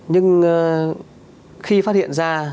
nhưng khi phát hiện ra